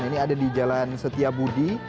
ini ada di jalan setiabudi